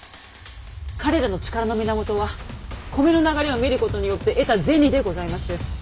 彼らの力の源は米の流れを見ることによって得た銭でございます。